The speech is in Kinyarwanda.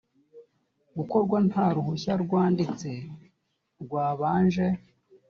gukorwa nta ruhushya rwanditse rwabanje